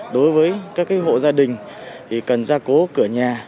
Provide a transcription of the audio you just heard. đối với các hộ gia đình thì cần ra cố cửa nhà